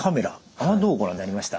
あれはどうご覧になりました？